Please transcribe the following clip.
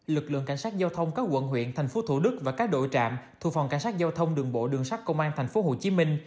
lực lượng cảnh sát giao thông các quận huyện thành phố thủ đức và các đội trạm thuộc phòng cảnh sát giao thông đường bộ đường sát công an tp hcm